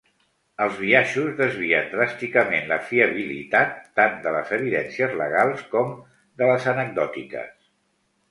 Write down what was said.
Els biaixos desvien dràsticament la fiabilitat tant de les evidències legals com de les anecdòtiques.